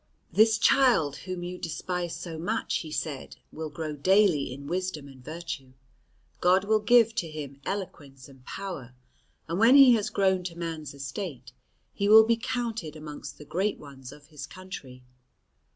"This child whom you despise so much," he said, "will grow daily in wisdom and virtue; God will give to him eloquence and power; and when he has grown to man's estate he will be counted amongst the great ones of his country."